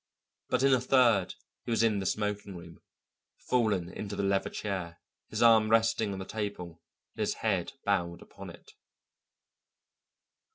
But in a third, he was in the smoking room, fallen into the leather chair, his arm resting on the table and his head bowed upon it.